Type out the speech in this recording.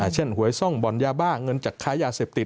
เช่นหัวไอ้ซ่องบอนฮยาบ้างเงินจากค้ายาเสพติด